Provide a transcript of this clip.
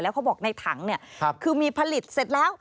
แล้วเขาบอกในถังคือมีผลิตเสร็จแล้ว